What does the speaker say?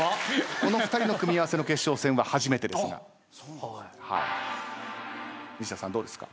この２人の組み合わせの決勝戦は初めてですが西田さんどうですか？